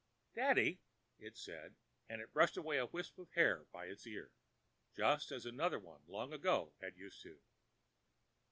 "Daddy!" it said, and it brushed away a wisp of hair by its ear—just as another one, long ago, had used to.